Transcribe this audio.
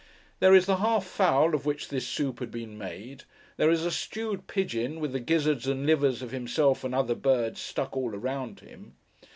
There is the half fowl of which this soup has been made. There is a stewed pigeon, with the gizzards and livers of himself and other birds stuck all round him.